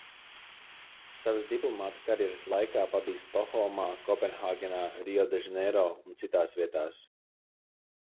Savas diplomāta karjeras laikā pabijis Stokholmā, Kopenhāgenā, Riodežaneiro un citās vietās.